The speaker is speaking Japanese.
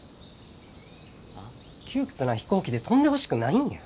窮屈な飛行機で飛んでほしくないんや。